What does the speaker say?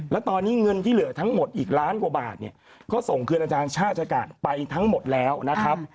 แล้วตอนนี้เงินที่เหลือทั้งหมดอีกล้านกว่าบาทเนี่ยก็ส่งคืนอาจารย์ชาติกาศไปทั้งหมดแล้วนะครับ